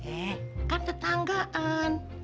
eh kan tetanggaan